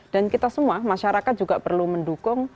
dan kita semua masyarakat juga perlu mendukung